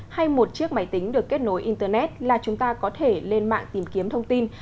hay một chiếc máy tính được kết nối internet là chúng ta có thể lên mạng tìm kiếm thông tin